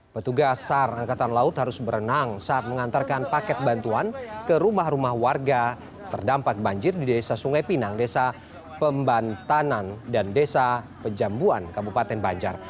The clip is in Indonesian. petugas sar angkatan laut harus berenang saat mengantarkan paket bantuan ke rumah rumah warga terdampak banjir di desa sungai pinang desa pembantanan dan desa pejambuan kabupaten banjar